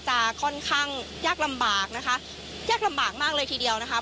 จะค่อนข้างยากลำบากนะคะยากลำบากมากเลยทีเดียวนะคะ